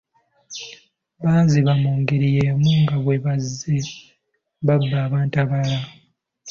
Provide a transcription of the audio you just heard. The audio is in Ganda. Banziba mu ngeri y'emu nga bwe bazze babba abantu abalala.